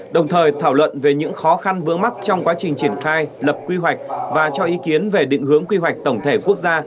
đồng thời thảo luận về những khó khăn vướng mắt trong quá trình triển khai lập quy hoạch và cho ý kiến về định hướng quy hoạch tổng thể quốc gia